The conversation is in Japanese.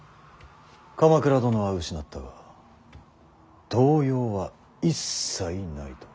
鎌倉殿は失ったが動揺は一切ないと。